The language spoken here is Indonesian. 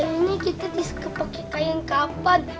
dan ini kita diskep pakai kayung kapat